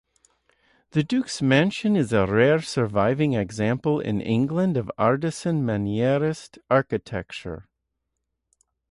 The Duke's mansion is a rare surviving example in England of Artisan Mannerist architecture.